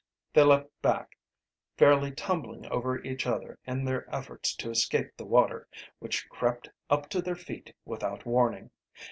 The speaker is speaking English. They leaped back, fairly tumbling over each other in their efforts to escape the water, which crept up to their feet without warning.